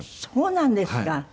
そうなんですか。